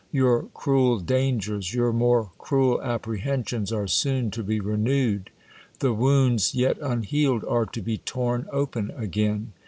Your cruel dangers, your more cruel apprehensions' are soon to be renewed. The wounds, yet unhealed, are to be torn open again.